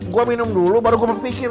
gua minum dulu baru gue memikir